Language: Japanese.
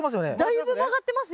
だいぶ曲がってますよ。